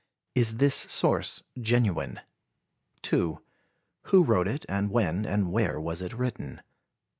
Is this source genuine? 2. Who wrote it and when and where was it written?